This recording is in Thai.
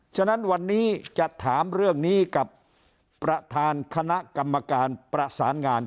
ฉะนั้นวันนี้จะถามเรื่องนี้กับประธานคณะกรรมการประสานงาน